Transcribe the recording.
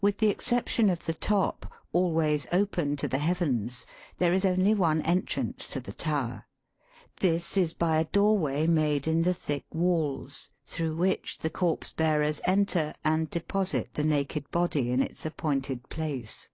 With the ex ception of the top, always open to the heavens, VOL. n. 32 Digitized by VjOOQIC 194 EAST BY WEST. there is only one entrance to the tower. This is hy a doorway made in the thick walls, through which the corpse bearers enter and deposit the naked body in its appointed place.